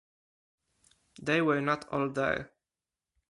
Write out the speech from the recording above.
They were not all there.